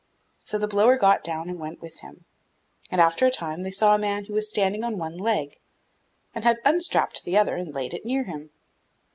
So the blower got down and went with him, and after a time they saw a man who was standing on one leg, and had unstrapped the other and laid it near him.